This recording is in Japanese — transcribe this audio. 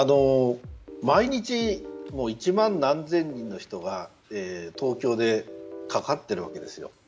毎日、１万何千人の人が東京でかかっているわけですよ。